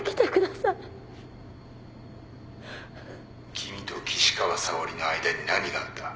君と岸川沙織の間に何があった？